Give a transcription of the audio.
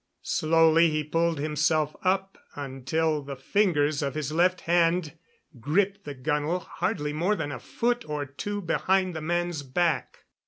Slowly he pulled himself up until the fingers of his left hand gripped the gunwale hardly more than a foot or two behind the man's back.